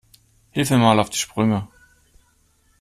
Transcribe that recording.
Hilf mir mal auf die Sprünge.